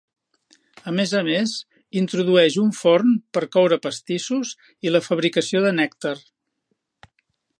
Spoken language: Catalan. A més a més, introdueix un forn per coure pastissos i la fabricació de nèctar.